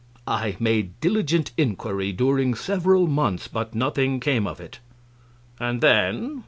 A. I made diligent inquiry during several months, but nothing came of it. Q. And then?